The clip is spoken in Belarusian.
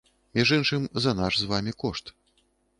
Між іншым, за наш з вамі кошт.